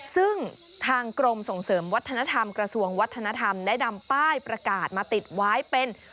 ซึ่งทางกรมส่งเสริมวัฒนธรรมกระทรวงวัฒนธรรมได้นำป้ายประกาศมาติดไว้เป็น